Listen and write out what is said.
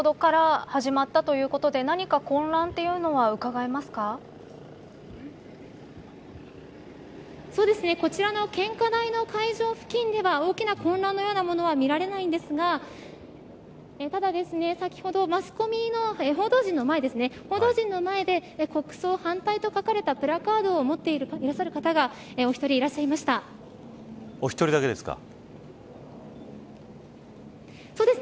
先ほどから始まったということでこちらの献花台の会場付近では大きな混乱のようなものは見られないんですがただ、先ほどマスコミの報道陣の前で国葬反対と書かれたプラカードを持っている方がお一人いらっお一人だけですか。